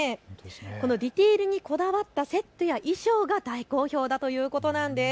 このディテールにこだわったセットや衣装が大好評だということなんです。